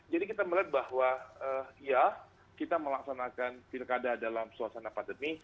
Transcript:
jadi kita melihat bahwa ya kita melaksanakan pilih kada dalam suasana pandemi